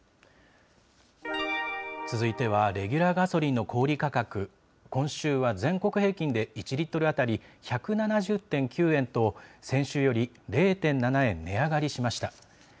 続いてはレギュラーガソリンの小売り価格、今週は全国平均で１リットル当たり１７０．９円と、先週より０．７円値上がりしました。